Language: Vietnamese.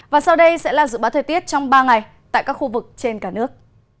và sau đây sẽ là dự báo thời tiết trong ba ngày tại các khu vực trên cả nước